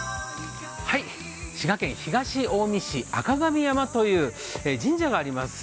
滋賀県東近江市赤神山という神社があります